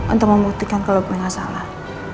untuk membuktikan kalo gue gak salah